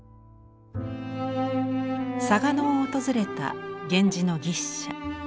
嵯峨野を訪れた源氏の牛車。